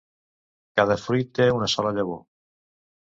Cada fruit té una sola llavor.